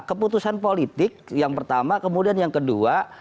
keputusan politik yang pertama kemudian yang kedua